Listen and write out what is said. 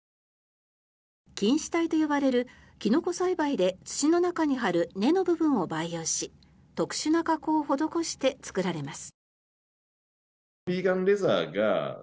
菌糸体と呼ばれる、キノコ栽培で土の中に張る根の部分を培養し特殊な加工を施して作られます。